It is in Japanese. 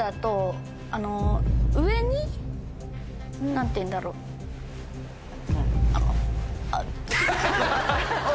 何ていうんだろうあの。